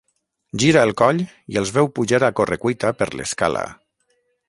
Gira el coll i els veu pujar a corre cuita per l'escala.